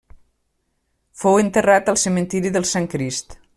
Fou enterrat al Cementiri del Sant Crist.